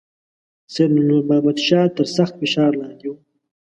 سید نور محمد شاه تر سخت فشار لاندې وو.